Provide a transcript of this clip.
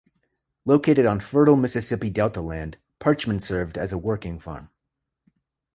Located on fertile Mississippi Delta land, Parchman served as a working farm.